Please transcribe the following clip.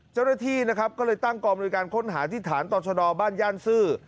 เจ้าหน้าที่นะครับก็เลยตั้งกองบริการค้นหาที่ฐานต่อชะดอบ้านย่านซื่อ